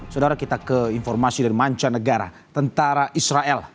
saudara kita ke informasi dari mancanegara tentara israel